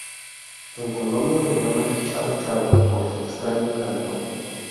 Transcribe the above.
En Colombia lo llaman chau chau por su extraño canto.